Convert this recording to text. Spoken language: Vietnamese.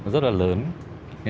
rất là lớn